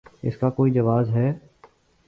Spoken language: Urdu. اس کا کوئی جواز ہے؟